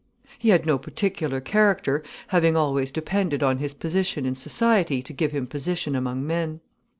He had no particular character, having always depended on his position in society to give him position among men.